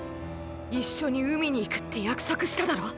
一緒に海に行くって約束しただろ。